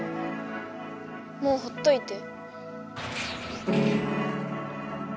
もうほっといて。